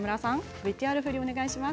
ＶＴＲ振りをお願いします。